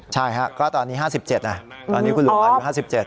ใช่ฮะก็ตอนนี้๕๗นะตอนนี้คุณลุงอายุ๕๗